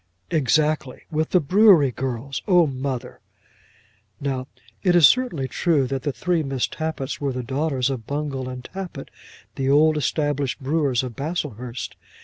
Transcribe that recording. "Exactly; with the brewery girls! Oh, mother!" Now it is certainly true that the three Miss Tappitts were the daughters of Bungall and Tappitt, the old established brewers of Baslehurst.